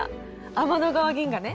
天の川銀河ね。